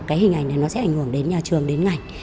cái hình ảnh này nó sẽ ảnh hưởng đến nhà trường đến ngành